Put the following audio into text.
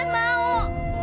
pokoknya jangan mau